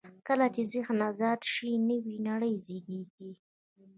کله چې ذهن آزاد شي، نوې نړۍ زېږي.